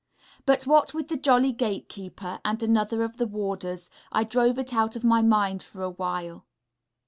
But, what with the jolly gate keeper, and another of the warders, I drove it out of my mind for a while....